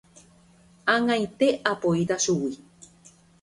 Ag̃aite apoíta chugui.